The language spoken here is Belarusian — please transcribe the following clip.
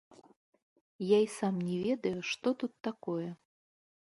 Я і сам не ведаю, што тут такое.